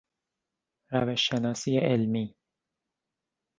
روش شناسی علمی